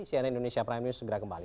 cnn indonesia prime news segera kembali